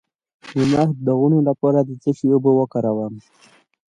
د مخ د داغونو لپاره د څه شي اوبه وکاروم؟